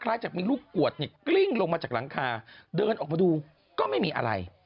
จากมีลูกกวดเนี่ยกลิ้งลงมาจากหลังคาเดินออกมาดูก็ไม่มีอะไร